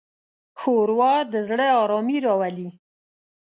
ښوروا د زړه ارامي راولي.